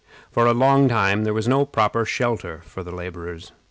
For a long time there was no proper shelter for the laborers.